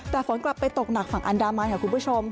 แต่ฝนกลับไปตกหนักฝั่งอันดามันค่ะคุณผู้ชม